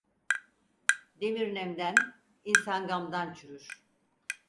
Demir nemden, insan gamdan çürür.